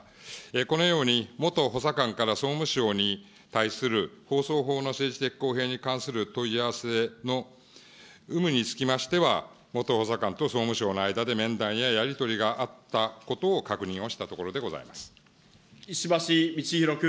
このように元補佐官から総務省に対する放送法の政治的公平に関する問い合わせの有無につきましては、元補佐官と総務省の間で面談ややり取りがあったことを確認をした石橋通宏君。